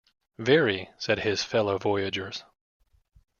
‘Very,’ said his fellow-voyagers.